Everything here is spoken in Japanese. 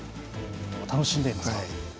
楽しんでいますか。